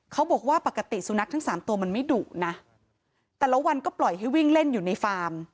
เขาบอกว่าปกติสุนัขทั้งสามตัวมันไม่ดุนะแต่ละวันก็ปล่อยให้วิ่งเล่นอยู่ในฟาร์ม